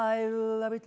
「ラヴィット！」